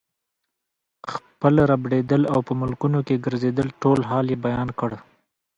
خپل ربړېدل او په ملکونو کې ګرځېدل ټول حال یې بیان کړ.